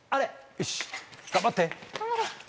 よし頑張って！